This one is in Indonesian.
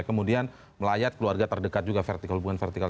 kemudian melayat keluarga terdekat juga vertikal bukan vertikal